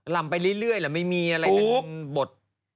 ลำไปเรื่อยแล้วไม่มีใดกับบท